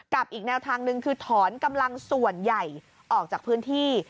อีกแนวทางหนึ่งคือถอนกำลังส่วนใหญ่ออกจากพื้นที่